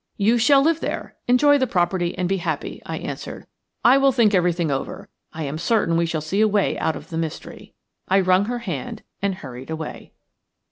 "You shall live there, enjoy the property, and be happy," I answered. "I will think over everything; I am certain we shall see a way out of the mystery." I wrung her hand and hurried away.